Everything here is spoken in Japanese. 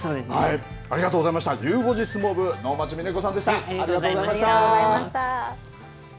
ありがとうございました、ゆう５時相撲部、能町みね子さんでした。